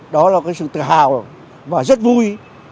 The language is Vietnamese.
đó là cái sự tự hào và rất vui